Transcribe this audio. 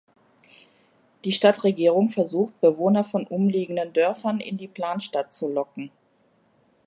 Die Stadtregierung versucht, Bewohner von umliegenden Dörfern in die Planstadt zu locken.